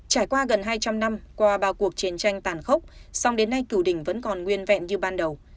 trải qua gần hai trăm linh năm qua bao cuộc chiến tranh tàn khốc song đến nay cửu đình vẫn còn nguyên vẹn như ban đầu